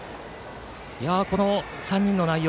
この３人の内容